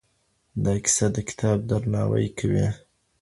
دا کیسه د کتاب درناوی کوي.